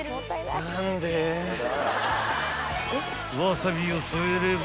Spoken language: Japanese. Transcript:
［わさびを添えれば］